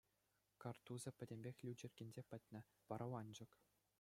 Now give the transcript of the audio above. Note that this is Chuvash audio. Карттусӗ пӗтӗмпех лӳчӗркенсе пӗтнӗ, вараланчӑк.